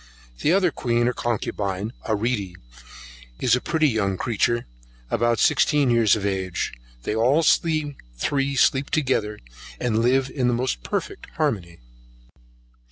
The other queen, or concubine, named Aeredy, is a pretty young creature, about sixteen years of age: they all three sleep together, and live in the most perfect harmony.